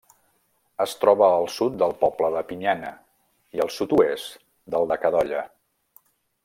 Es troba al sud del poble de Pinyana, i al sud-oest del de Cadolla.